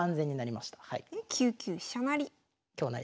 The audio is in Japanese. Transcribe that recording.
で９九飛車成。